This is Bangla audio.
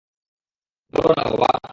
বলো না, বাবা।